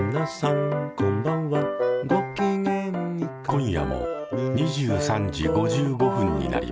今夜も２３時５５分になりました。